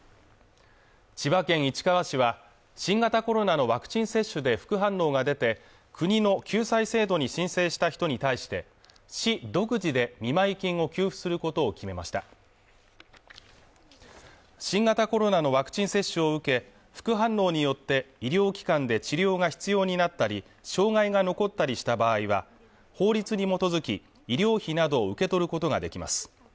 千葉県市川市は新型コロナのワクチン接種で副反応が出て国の救済制度に申請した人に対して市独自で見舞金を給付することを決めました新型コロナのワクチン接種を受け副反応によって医療機関で治療が必要になったり障害が残ったりした場合は法律にもとづき医療費などを受け取ることができます